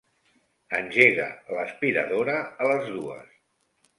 Engega l'aspiradora a les dues.